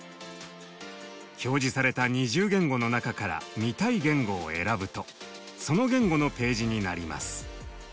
表示された２０言語の中から見たい言語を選ぶとその言語のページになります。